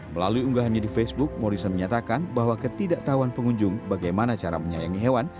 melalui unggahannya di facebook morrison menyatakan bahwa ketidaktahuan pengunjung bagaimana cara menyayangi hewan